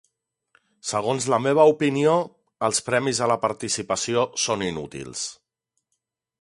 Segons la meva opinió, els premis a la participació són inútils.